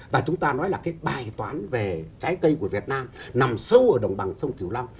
và chúng ta nói là cái bài toán về trái cây của việt nam nằm sâu ở đồng bằng sông kiều long